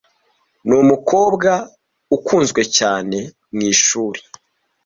Numukobwa ukunzwe cyane mwishuri.